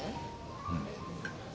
うん。